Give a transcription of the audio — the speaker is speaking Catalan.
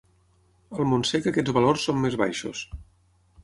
Al Montsec aquests valors són més baixos.